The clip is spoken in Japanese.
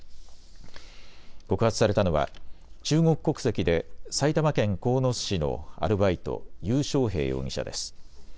告発されたのは中国国籍で埼玉県鴻巣市のアルバイト、游小兵容疑者です。